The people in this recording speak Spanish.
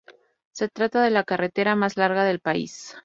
Se trata de la carretera más larga del país.